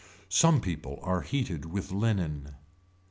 Some people are heated with linen.